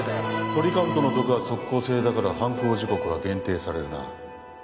トリカブトの毒は即効性だから犯行時刻は限定されるな